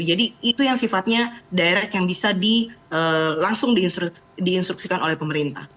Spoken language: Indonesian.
jadi itu yang sifatnya direct yang bisa langsung diinstruksikan oleh pemerintah